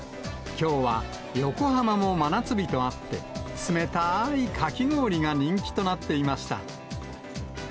きょうは横浜も真夏日とあって、冷たーいかき氷が人気となっていました。